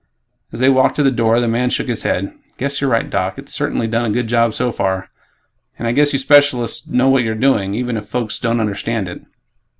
As they walked to the door, the man shook his head, "Guess you're right, Doc. It's certainly done a good job so far, and I guess you specialists know what you're doing, even if folks don't understand it."